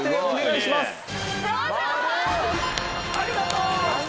お願いします。